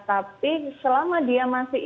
tapi selama dia masih